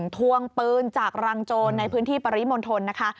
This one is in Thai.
ทวงปืนจากรังโจรในพื้นที่ปริมณฑลนะคะ